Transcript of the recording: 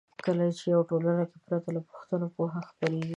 کله چې په یوه ټولنه کې پرته له پوښتنو پوهه خپریږي.